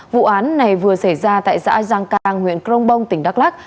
vụ án này vừa xảy ra tại xã giang cang huyện crong bông tỉnh đắk lắc